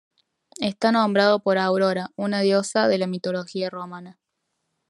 Está nombrado por Aurora, una diosa de la mitología romana.